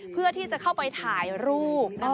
เพื่อที่จะเข้าไปถ่ายรูป